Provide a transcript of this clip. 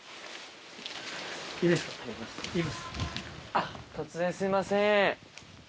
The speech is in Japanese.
あっ突然すいません。